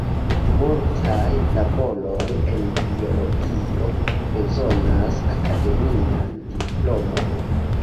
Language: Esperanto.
Multaj laboroj en biologio bezonas akademian diplomon.